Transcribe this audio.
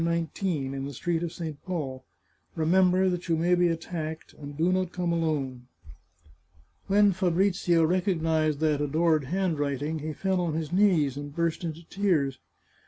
19, in the Street of St. Paul. Remember that you may be attacked, and do not come alone." When Fabrizio recognised that adored handwriting he fell on his knees and burst into tears.